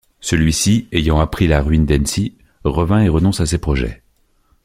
Celui-ci, ayant appris la ruine d’Hennessy, revient et renonce à ses projets.